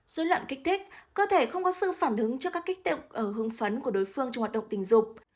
dối loạn kích thích cơ thể không có sự phản hứng trước các kích tượng hương phấn của đối phương trong hoạt động tình dục